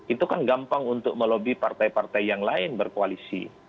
itu kan gampang untuk melobi partai partai yang lain berkoalisi